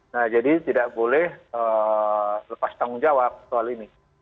nah jadi tidak boleh lepas tanggung jawab soal ini